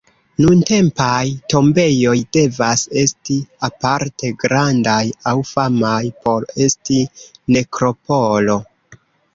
Nuntempaj tombejoj devas esti aparte grandaj aŭ famaj por esti "nekropolo".